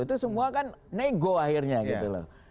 itu semua kan nego akhirnya gitu loh